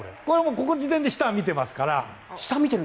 この時点で下を見ていますから。